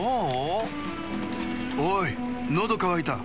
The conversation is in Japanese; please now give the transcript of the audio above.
おいのどかわいた。